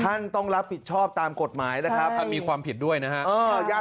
ท่านต้องรับผิดชอบตามกฎหมายนะครับท่านมีความผิดด้วยนะฮะ